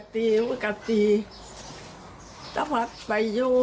ตีตัดทั้งทั้งหนี